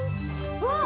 うわっ！